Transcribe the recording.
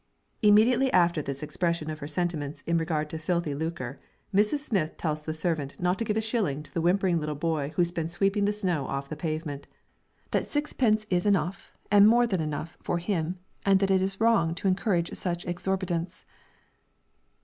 Immediately after this expression of her sentiments in regard to filthy lucre, Mrs. Smith tells the servant not to give a shilling to the whimpering little boy who has been sweeping the snow off the pavement; that a sixpence is enough, and more than enough, for him, and that it is wrong to encourage such exorbitance.